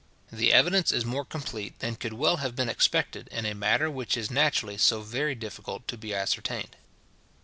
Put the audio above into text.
The evidence is more complete than could well have been expected in a matter which is naturally so very difficult to be ascertained.